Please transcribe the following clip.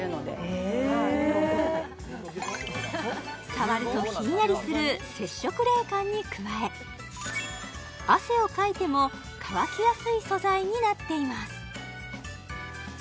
触るとひんやりする接触冷感に加え汗をかいても乾きやすい素材になっています